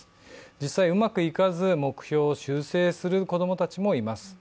実際、うまくいかず目標を修正する子供たちもいます。